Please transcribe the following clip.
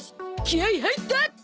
気合入った！